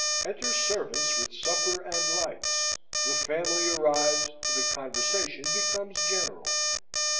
Enter servants with supper and lights. The family arrives; the conversation becomes general.